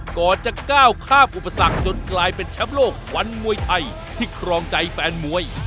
ก่อนจะก้าวข้ามอุปสรรคจนกลายเป็นแชมป์โลกวันมวยไทยที่ครองใจแฟนมวย